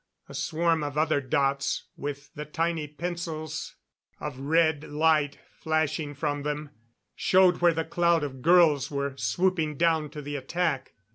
A swarm of other dots, with the tiny pencils of red light flashing from them, showed where the cloud of girls were swooping down to the attack.